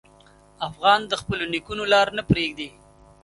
افغان د خپلو نیکونو لار نه پرېږدي.